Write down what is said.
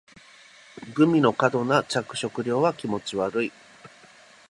グミの過度な着色は気持ち悪い